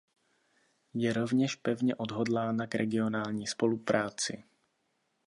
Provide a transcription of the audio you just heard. Je rovněž pevně odhodlána k regionální spolupráci.